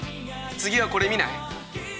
次はこれ見ない？